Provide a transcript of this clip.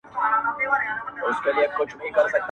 چي پیسې لري بس هغه دي ښاغلي,